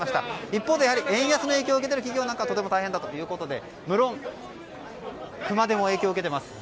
一方で円安の影響を受けている企業なんかはとても大変だということでむろん熊手も影響を受けています。